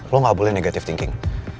lo gak boleh negative thinking